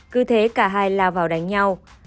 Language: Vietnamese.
cứ thế cả hai lao vào đánh nhau